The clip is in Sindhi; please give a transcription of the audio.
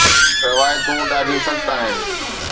روايتون ڏاڍيون سخت آهن